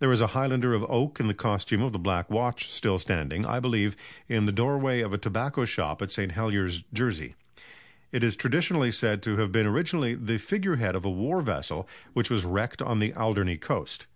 There is a highlander of oak in the costume of the Black Watch still standing, I believe, in the doorway of a tobacco shop at St. Heliers, Jersey. It is traditionally said to have been originally the figure head of a war vessel which was wrecked on the Alderney coast.